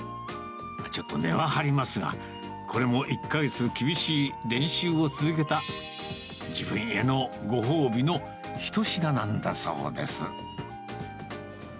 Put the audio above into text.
ちょっと値は張りますが、これも１か月厳しい練習を続けた、自分へのご褒美の一品なんだそうです。